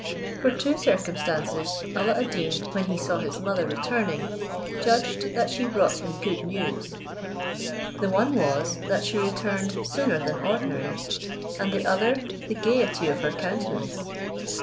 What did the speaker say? From two circumstances Alla ad Deen, when he saw his mother returning, judged that she brought him good news; the one was, that she returned sooner than ordinary; and the other, the gaiety of her countenance.